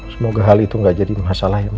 semoga hal itu gak jadi masalah ya